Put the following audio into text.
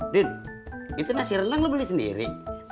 din itu nasi renang lo beli sendiri